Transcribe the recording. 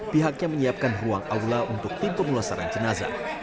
pihaknya menyiapkan ruang aula untuk timpul luas saran jenazah